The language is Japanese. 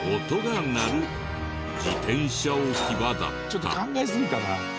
ちょっと考えすぎたな。